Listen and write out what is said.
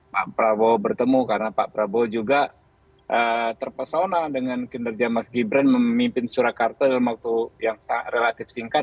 pak prabowo bertemu karena pak prabowo juga terpesona dengan kinerja mas gibran memimpin surakarta dalam waktu yang relatif singkat